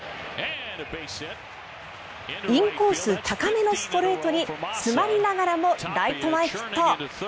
インコース高めのストレートに詰まりながらもライト前ヒット。